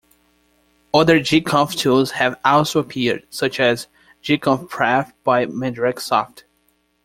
Other gconf tools have also appeared, such as Gconfpref by MandrakeSoft.